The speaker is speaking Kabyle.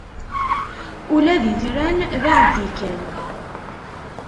Ula d itran d aɛeddi kan.